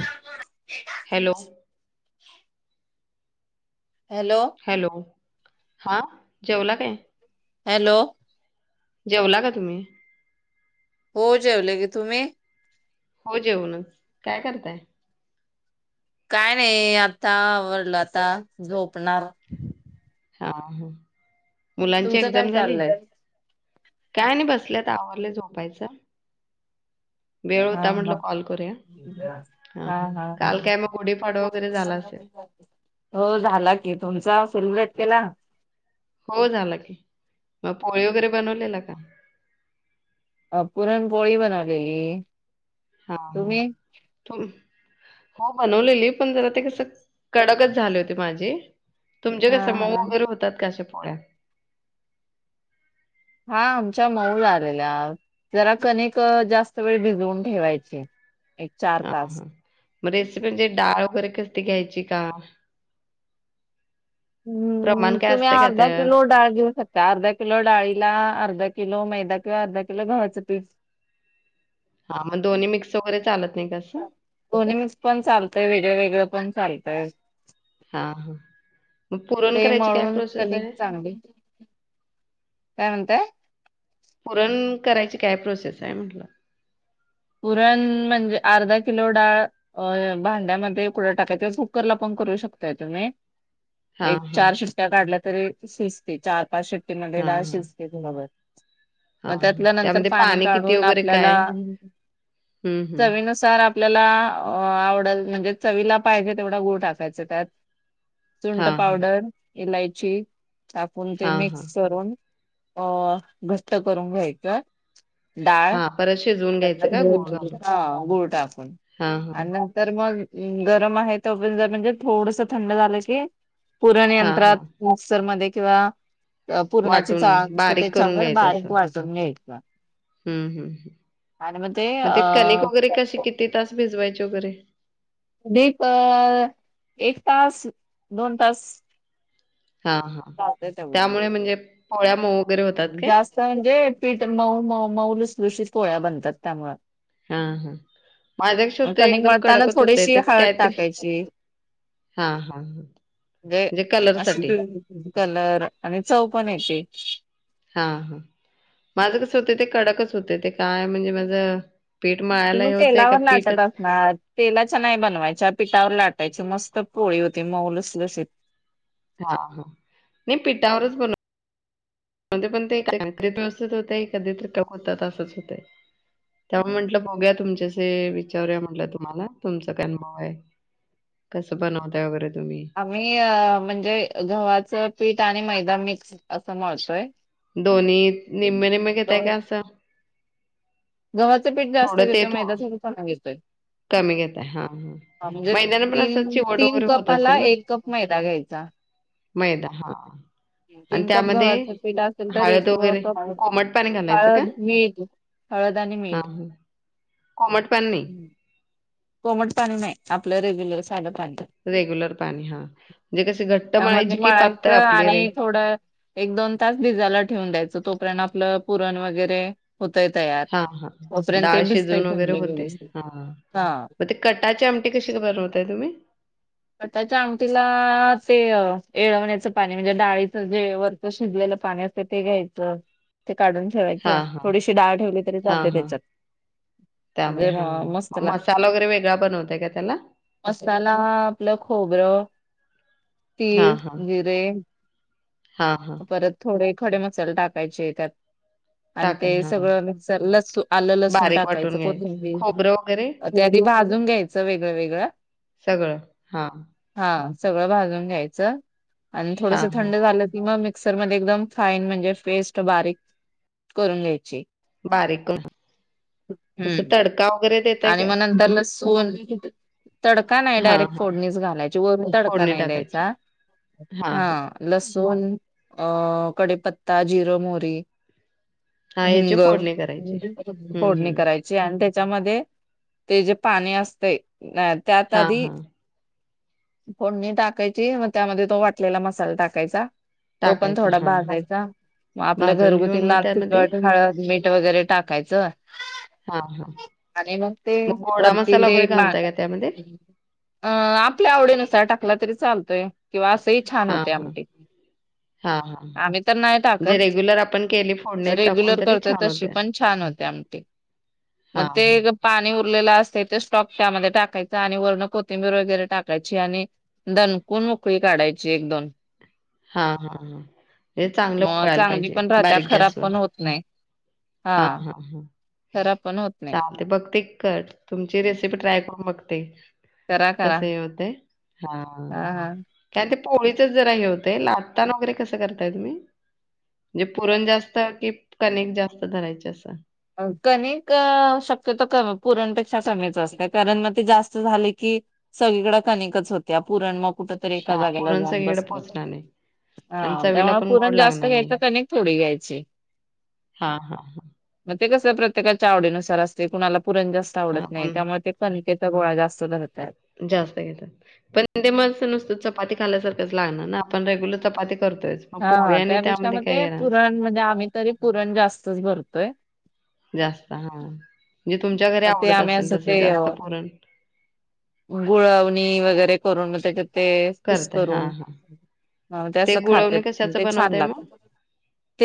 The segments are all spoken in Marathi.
चार दोन आहे. ए गप. हॅलो. हॅलो. हॅलो, हा जेवला काय? हॅलो? जेवला का तुम्ही? हो, जेवले की. तुम्ही? हो, जेऊनच. काय करताय? काय नाही. आता आवरलं, आता झोपणार. हा.. हा. मुलांची तुमचं काय एक्झाम झाली? चाललंय काय नाही बसले. आता आवरलंय, झोपायचं. वेळ हा होता म्हटलं, हा कॉल करूया. हा हा हा काल काय मग गुडीपाडवा वगैरे झाला असेल. हो, झाला की. तुमचा, सेलिब्रेट केला? हो, झाला की. मग पोळी वगैरे बनवलेला का? अं.. पुरणपोळी बनवलेली. हा तुम्ही हा. हो बनवलेली, पण जरा ते कसं कडकच झाले होती माझे तुमचे हा कसं मऊ हा वगैरे होतात का अशा पोळ्या. हा आमच्या मऊ झालेल्या जरा कणिकं जास्त वेळ भिजवून ठेवायची,, एक चार हा तास हा, मग रेसिपी म्हणजे डाळ वगैरे कसती घ्यायची का प्रमाण हम्म काय तुम्ही असतंय का अर्धा त्या किलो डाळ घेऊ शक त्या अर्धा किलो डाळीला अर्धा किलो मैदा किंवा अर्धा किलो गव्हाचं पीठ हां मग दोन्ही मिक्स वगैरे चालत नाही का असं.? दोन्ही मिक्स पण चालतंय, वेगळं वेगळं पण चालतंय. हां, हां. मग पुरण ते करायची काय मळून प्रोसेस कनीक आहे? चांगली काय म्हणतांय.? पुरन करायची काय प्रोसेस आय म्हटलं. पुरण.. म्हणजे अर्धा किलो डाळ अ भांड्यामध्ये उकडं टाकायचा, कुकरला पण करू शकतांय तुम्ही हां, एक हां. चार शिट्ट्या काढल्या तरी शिजते, चार पाच शिट्टीमध्ये हां, दाळ हां. शिजते. मग हां, हां. त्यातल्या नंतर त्यामध्ये पाणी किती काढून वगैरे काय? आपल्याला हं, हं. चवीनुसार आपल्याला आवडल म्हणजे, चवीला पाहिजे तेवढा गुळ टाकायच त्यात सुंट हां, हां. पावडर, इलायची, टाकून ते हां, हां. मिक्स करून अ.. घट्ट करून घ्यायचं,,, डाळ. हां, परत शिजवून घ्यायचं का गूळ घालून? हां गूळ टाकून, हां, हां. आणि नंत तर मग गरम आहे तवर जर म्हणजे, थोडसं थंड झालं कि पुरण हां, यंत्रात हां. मिक्सरमध्ये किंवा अं पूरनाची वाटून चाळन असते बारीक करून त्याच्यावर बारीक वाटून घ्यायचं हम्म हम्म,, मग ते कणिक वगैरे कसे किती तास भिजवायची वगैरे डिप एक तास, दोन तास हा हा,, चालतंय तेवढं त्यामुळे म्हणजे, पोळ्या मऊ वगैरे होतात काय? जास्त म्हणजे, पीठ मऊ मऊ मऊ लुसलुशीत पोळ्या बनतात त्यामुळं. हा हा, माझ्या कश हुतय कणिक एकदम मळताना कडकंच होतय, थोडीशी त्यात हळद कायतरी टाकायची हा हा,, म्हणजे कलरसाठी. कलर आणि चव पण येते. हा हा,, माझं कसं होतं ते कडकच होते, ते काय म्हणजे माझं पीठ मळायला तुम्ही हे होतंय का तेलावर लाटत पीठच असणार. तेलाच्या नाही बनवायच्या पिठावर लाटायची, मस्त पोळी होते मऊ लुसलुशीत. हा हा, मी पिठावरच बनव म्हणते पण ते काक्रिट व्यवस्थित होतय, कधी तिक होतात असंच होतंय. त्यामुळे म्हटलं बघूया तुमच्याशी विचारूया म्हटलं तुम्हाला. तुमचं काय मऊ आहे, कसं बनवताय वगैरे तुम्ही आम्ही म्हणजे गव्हाचं पीठ, आणि मैदा मिक्स असं म्हळतोय. दोन्ही निम्मे निम्मे घेताय का असं गव्हाच पीठ जास्त थोडं ते घेतो थोडं मैदासाठी पण कमी घेतोय. कमी घेताय,,, हा हा. म्हणजे मैद्याने पण असं तीन चिवट तीन वगैरे होत असेल कपाला ना? एक कप मैदा घ्यायचा. मैदा हा.. तीन कप गव्हाचं पिठ असेल तर हळद एक व वगैरे कप कोमट पाणी घालायचं का? हळद, मीठ हळद आणि हां, मीठ. हां. कोमट पाणी नाही कोमट पाणी नाही आपलं रेग्युलर साधं पाणी. रेग्युलर पाणी हा म्हणजे कशी घट्ट मळायची कि पातळ आपली रे? थोडा एक दोन तास भिजायला ठेवून द्यायचं तोपर्यंत आपलं पुरण वगैरे होतय तयार हां, हां. तोपर्यंत ते भिजतंय चांगलं व्यवस्थित. हा म ते कटाची आमटी कशी गं बनवताय तुम्ही? कटाच्या आमटीला अ ते येळवण्याचं पाणी म्हणजे डाळीचं जे वर तो शिजलेलं पाणी असतं ते घ्यायचं ते काढून ठेवायचं, हां, हां. थोडीशी डाळ ठेवली तरी हां, चालते हां. त्याच्यात त्यामुळे म्हणजे म हां, मस् त मग लाग मसाला वगैरे वेगळा बनवताय का त्याला? मसाला आपलं खोबरं तीळ, जिरे हा हा. परत थोडे खडे मसाले टाकायचे त्यात. आणि टाकाय ते हां, सगळं मिक्सर लसू आलंलसून बारीक वाटून टाकायचं घ्यायचं. कोथिंबीर खोबरं वगैरे ते आदी भाजून घ्यायचं वेगळं वेगळं सगळं. हां, हा सगळं भाजून घ्यायचं आणि थोडस हां, हां. थंड झालं की म मी मिक्सर मध्ये एकदम फाईन म्हणजे पेस्ट बारीक करून घ्यायची. बारीक करून, असं हम्म तडका वगैरे देत आणि मग नंतर लसूण तडका नाही हा, डायरेक्ट हा. फोडणीच घालायची वरून तडका फोडणी नाही टाकायची. द्यायचा हां, हां. हा. लसूण अ कढिपत्ता, जीरा, मोहरी हां, याची हिंग फोडणी करायची. हं, फोडणी हं. करायची आणि त्याच्यामध्ये ते जे पाणी असतय अ त्यात हां, आदी हां. फोडणी टाकायची मग त्यामध्ये तो वाटलेला मसाला टाकायचा. तो पण टाकायचा. थोडा हां, हां. भाजायचा, म आपलं भाजून घेऊन घरगुती मग लाल त्यामध्ये तिखट हळद, मीठ ट वगैरे टाकायचं. हा हा. आणि मग ते वरती ते. घालताय का त्यामध्ये? [unintelligible] अ आपल्या आवडीनुसार टाकला तरी चालतोय किंवा असंही छान हां, होते हां. आमटी. हां, हां. आम्ही तर नाही म्हणजे टाकत रेग्युलर आपण केली फोडणी टाकून रेग्युलर तरी करतोय छान तशी होत्या. पण छान होते आमटी. मग हां, ते हां. गप पाणी उरलेलं असतंय ते स्टॉक त्यामध्ये टाकायच आणि वरनं कोथिंबीर वगैरे टाकायची आणि दणकून उकळी काढायची एक दोन. हा हा हा. हे चांगलं मग उकळायला चांगली पाहिजे पण राहत्या बारीक खराब गॅसवर. पण होत नाही हा हा हा खराब पण होत नाही चालते बघ ते कर. तुमची रेसिपी ट्राय करून बघते. करा करा कसं हे होतंय हा. काय ते पोळीचं जरा हे होतय लाटताना वगैरे कसं करताय तुम्ही? म्हणजे पुरण जास्त कि कणिक जास्त धरायचे असा? कणिक शक्यतो कमी पुरणपेक्षा कमीच असतेय कारण म ते जास्त झाले की सगंनक आणि ऐकच होतया पुरण मग कुठ तरी एका हां जागेला पुरण जाऊन सगळीकडे बसने. पोहोचणार नाही हा आणि चवीला त्यामुळे पण गोड पुरण जास्त लागणार घ्यायच नाही. कणिक थोडी घ्यायची. हा हा हा. मग ते कसं प्रत्येकाच्या आवडीनुसार असते, कुणाला पुरण जाास्त आवडत हां नाही पण त्यामुळे ते कणकेचा गोळा जास्त धरतात. जास्त घेतात. पण ते मस् नुसत चपाती खायल्यासारखंच, लागणार ना आपण रेग्युलर चपाती करतोय! तर हा हा त्यापेक्षा म ते पुरण म्हणजे आम्ही तरी पुरण जास्तच भरतोय. जास्त हा! जे तुमच्या घरी मग ते आवडत आम्ही असेल असं तसं जास्त पुरण! गुळावणी वगैरेकरूंन म त्याच्यात. ते कुस करताय. करून हां, हां. ते असं गुळवणी खत्यात कशाचं ते छान बनवताय मग? लागतात! ते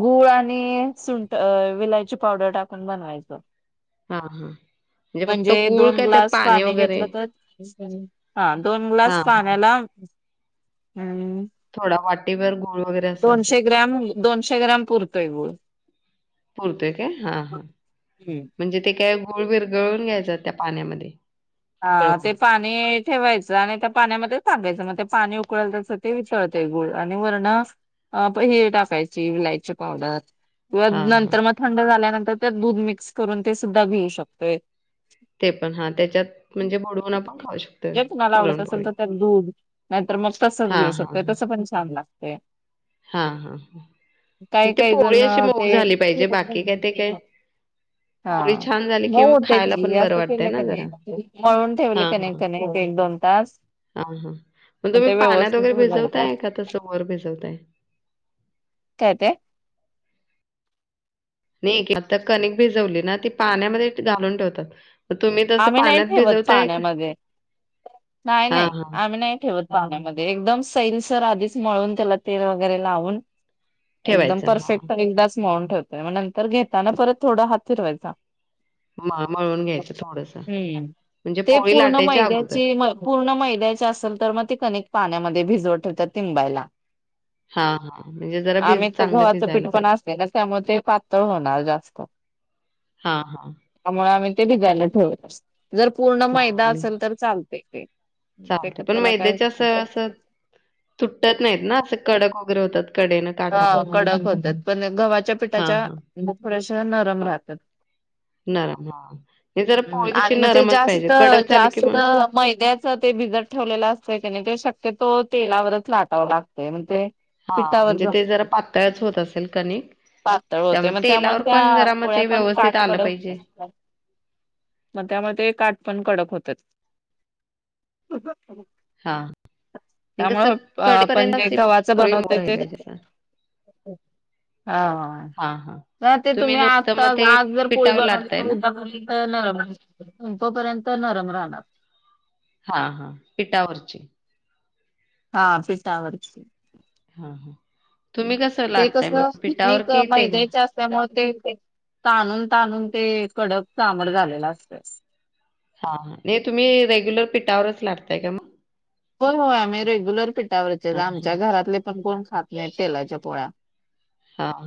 गूळ आणि सुंट विलायची पावडर टाकून बनवायच! हां, हां. फक्त म्हणजे गूळ दोन काय त्यात ग्लास पाणी घे घेतल वगैरे? तर हा दोन ग्लास हां, हां. पाण्याला अम्म! ! थोडा वाटीभर गोळ वगैरे असतात! ग्रॅम दोनशे ग्रॅम पुरतोय गुळ. पुरत ऐ का हा! ! हम्म. म्हणजे ते काय गुळवीर गळून घ्यायचं त्या? पाण्यामध्ये. हा उकळवून. ते पाणी! ठेवायचं आणि त्या पाण्यामध्ये टागायचं मग ते पाणी उकळल तस ते विचळतेय गुळ आणि वर्ण अ प ही टाकायची विलायची पावडर. वयद हां, हां. नंतर मग थंड झाल्यानंतर त्या दूध मिक्स करून ते सुद्धा घीऊ शकतोय. ते पण हा त्याच्यात म्हणजे बुडवून आपण खाऊ शकतोय जे कुणाला आवडत असेल पुरणपोळी! तर त्यात दूध नाहीतर मग तसच घेऊ हां, हां, शक्यात हां. तस पण छान लागतय! हां, हां, हां. मग कायी ती कायी जण पोळी अशी मऊ ते झाली पाहिजे. बाकी काय ते काय पोळी हाआ! छान झाली ! की मऊ मग खायला होत्याची पण बरं असं वाटतंय केलं का ना जरा. नाहीय! म्हळून ठेवल त्याने कनेय एक दोन तास! आ हा हा! मग तुम्ही ते पाण्यात व्यवस्थित वगैरे हो भिजवताय का तस वर भिजवताय! काय ते? नाही आता कनिक भिजवली ना ती पाण्यामध्येच घालून ठेवतात. मग तुम्ही तसं आम्ही नाही पाण्यात ठेवत भिजवताय का? पाण्यामध्ये नाही हा नाही हा आम्ही नाही ठेवत. पाण्यामध्ये एकदम सैल सर आधीच मळून त्याला तेल वगैरे लावून. एकदम ठेवायचं हा. परफेक्ट एकदाच मळुन ठेवतोय मग नंतर घेताना परत थोडा हात फिरवायचा. म मळून घ्यायचं थोडंस. हम्म ते पूर्ण अगोदर. मुयद्याच्चे मग पूर्ण मैद्याच असेल तर मग ते कनिक पाण्यामध्ये भिजवत ठेवत तिंबायला. हां हां म्हणजे जरा भिज आम्ही तर चांगलं गव्हाचं पीठ भिजायला पण पाहिजे. असले ना, त्यामुळे ते पातळ होणार जास्त. हा हहः! ! त्यामुळे ते भिजायला ठेवत असतो जर, पूर्ण असेल तर चालते ते. ते चालते क- पण त्याला काय होत मैद्याच्या अस असं नाही. तुटत नाहीत ना, असं कडक वगैरे होतात कडेन. हां! कडक होतात पण गव्हाच्या हां पिठाच्या हां भोख्याशा नरम राहतात. नरम हां. हे जरा पोळी कशी आणि म ते नरमच जास्त पाहिजे कडक झाली की जास्त मग मैद्याच ते भिजत ठेवलेलं असतं की नाही ते, शक्यतो तेलावरच लाटावं लागतय म्हण ते. हा पिठावर म्हणजे ते जास्त जरा पातळच होत असेल कणिक पातळ होते मग त्यामुळे तेलावर पण त्या जरा मग पोळ्या ते पण व्यवस्थित आलं काठकडक पाहिजे होतात. मग त्यामध्ये ते काठ पण कडक होतात. हा हे कसं त्यामुळे आपण कडेपर्यंत जे अशी गव्हाचं पोळी मऊ बनवतय राहिली ते पाहिजे असं हो हा हा ते तुम्ही नुसतं आता मग ते आज जर पोळी पिठावर बघाली लाटताय तर ना उद्या- अ नरम राहनार संपूपर्यंत नरम राहणार. हा हा! ! पिठावरची? हा पिठावरची.. हा हा तुम्ही कस ते कसं [unintelligible] मैद्याच्या त्यामुळे ते ताणून ताणून ते कडक घामट झालेल असतय हा हा हे तुम्ही रेग्युलर पिठावरच लाटताय काय मग होय होय आम्ही रेग्युलर पिठावरचे हा हा आमच्या घरातले पण कोण खात नाही तेलाच्या पोळ्या हा हा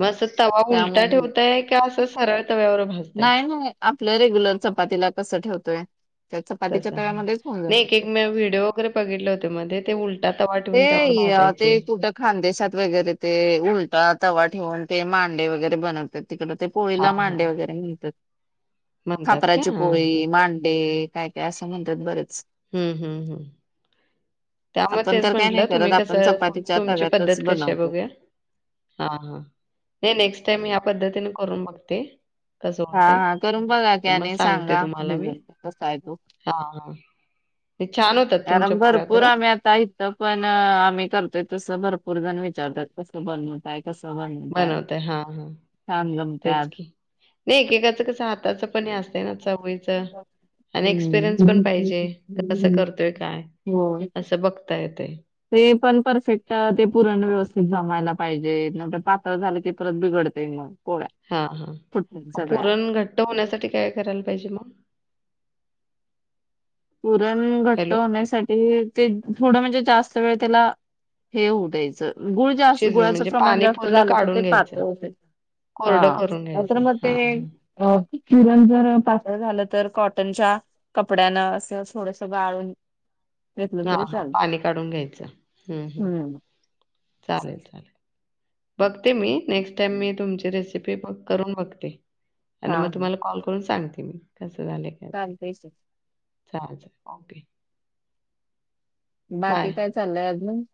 मग अस तवा उलटा त्यामुळे ठेवताय का असं सरळ तव्यावर भाज नाही नाही आपलं रेग्युलर चपातीला कसं ठेवतोय त्या चपातीच्या तसं हा तव्यामध्येच होऊन जातात नाही एक ते. मी व्हिडिओ वगैरे बघितले होते मध्ये ते उलटा तवा ठेवून त्यावर भाजायचे [unintelligible] खानदेशात वगैरे ते उलटा तवा ठेवून ते मांडे वगैरे बनवतात तिकड ते हा पोळीला हा मांडे वगैरे म्हणतात म्हणतात का? खापराची हां, हां. पोळी मांडे काय काय असं म्हणतात बरेच हम्म हम्म हम्म त्यामुळे आपण तेच तर काय म्हंटलं नाही तुम्ही करत आपण कसं चपातीच्या तुमची पद्धत तव्यातच कशी आहे बनवतो बघूया हा हा हे नेक्स्ट टाइम ह्या पद्धतीने करून बघते कसं हा होतंय. हा करून बघा की मग आणि सांगा रिझल्ट कसा आहे तो हा हा छान होतात तुमच्या कारण पोळ्या भरपूर खर आम्ही आता इथं पण आम्ही करतोय तस भरपूर जण विचारतात बनवताय कसं बनवताय छान जमत्यात नाहीे एकेकाच कसं हाताचं पण हे असतं ना चवीचं आणि एक्सपिरीयन्स पण पाहिजे कसं हम्म करतोय काय हो ता येतय ते पण परफेक्ट ते पुरण व्यवस्थित जमायला पाहिजे ने पातळ झाले की परत बिघडत मग पोळ्या हा हा फुटतात सगळ्या. पुरण घट्ट होण्यासाठी काय करायला पाहिजे मग पुरण घट्ट हॅलो. होण्यासाठी ते थोडं म्हणजे जास्त वेळ त्याला हे होवू द्यायच गुळ जास्त शिजवून गुळाचं म्हणजे प्रमाण पाणी जास्त पूर्ण झालं तर ते काढून घ्यायचं. पातळ होतय हा कोरडं करून नंतर घ्यायचं. म ते हां, हां. पुरण जर पातळ झालं तर कॉटनच्या कपड्यान थोडसं गाळून घेतलं हा तरी हा चालत. पाणी काढून घ्यायचं हम्म हम्म चालेल चालेल बघते मी नेक्स्ट टाइम मी तुमची रेसिपी मग करून बघते आणि हा मग तुम्हाला कॉल करून सांगते मी कसं झालय चालतय की चालतय ओके बाकी बाय. काय चाललंय अजून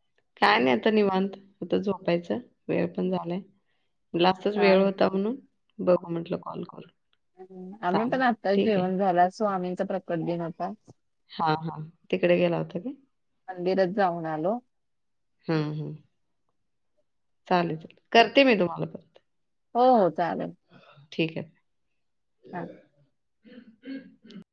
काय नाही आता निवांत आता झोपायचं वेळ पण झालाय [unintelligible] वेळ हा. होता म्हणून बघू म्हटलं कॉल करून आम्ही चालेल. पण आताच ठीक आहे. जेवण झाला. स्वामींचा प्रकट दिन होता आज. हा हा तिकडे गेला होता काय? मंदिरात जाऊन आलो. हम्म हम्म... चालेल. करते मी तुम्हाला परत. हो हो चालल. ठीक आहे. [inaudible] [inaudible]